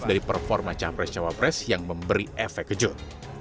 dari performa capres cawapres yang memberi efek kejut